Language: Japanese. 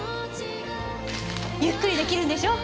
ゆっくり出来るんでしょう？